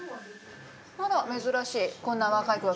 あら珍しいこんな若い子が来るなんて。